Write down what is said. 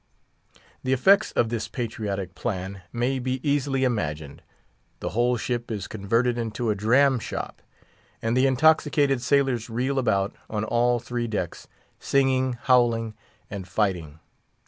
The effects of this patriotic plan may be easily imagined: the whole ship is converted into a dram shop; and the intoxicated sailors reel about, on all three decks, singing, howling, and fighting.